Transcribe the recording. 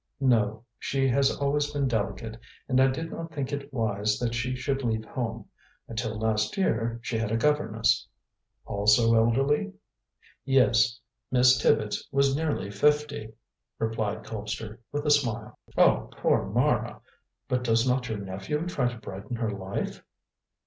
"No. She has always been delicate, and I did not think it wise that she should leave home. Until last year she had a governess." "Also elderly?" "Yes. Miss Tibbets was nearly fifty," replied Colpster, with a smile. "Oh, poor Mara! But does not your nephew try to brighten her life?"